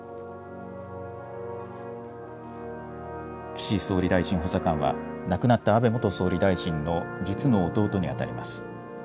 岸総理大臣補佐官は、亡くなった安倍元総理大臣の実の弟に当たります。